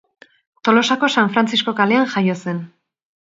Tolosako San Frantzisko kalean jaio zen.